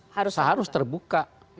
kalau pansus harus terbuka